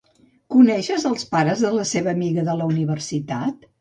Coneixes els pares de la seva amiga de la universitat?